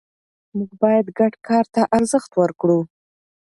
موږ باید ګډ کار ته ارزښت ورکړو